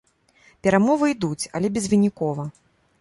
Перамовы ідуць, але безвынікова.